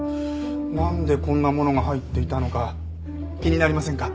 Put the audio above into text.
なんでこんなものが入っていたのか気になりませんか？